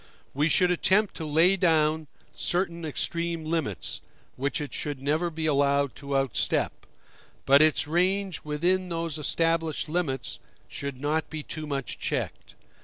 We should attempt to lay down certain extreme limits, which it should never be allowed to outstep; but its range within those established limits should not be too much checked.